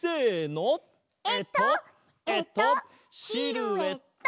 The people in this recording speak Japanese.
えっとえっとシルエット！